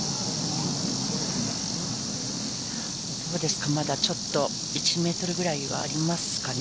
どうですか、まだちょっと１メートルぐらいはありますかね。